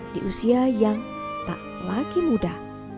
di usia yang tak lagi muda